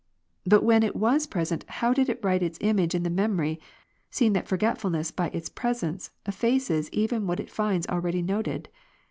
But when it was present, how did it write its image in the memory, seeing that forgetfulness by its presence, effaces even what it finds already noted